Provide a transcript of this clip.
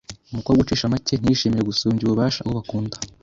Umukobwa ucisha make ntiyishimire gusumbya ububasha uwo bakunda,